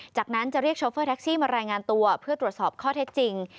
จากนั้นจะเรียกโชเฟอร์แท็กซี่มารายงานตัวเพื่อตรวจสอบข้อเท็จจริง